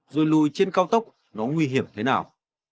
rồi lùi trên cao tốc nó nguy hiểm thế nào